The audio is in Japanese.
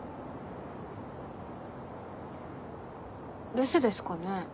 留守ですかね？